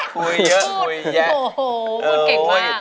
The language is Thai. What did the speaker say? คุยเยอะคุยเยอะโอ้โหมันเก่งมาก